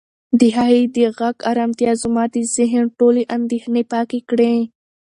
د هغې د غږ ارامتیا زما د ذهن ټولې اندېښنې پاکې کړې.